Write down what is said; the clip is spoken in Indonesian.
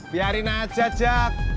biarin aja jak